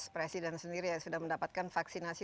presiden sendiri sudah mendapatkan vaksinasi